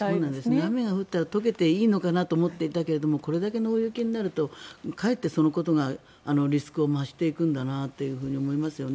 雨が降ったら解けていいのかなと思っていたけどこれだけの大雪になるとかえってそのことがリスクを増していくんだなと思いますね。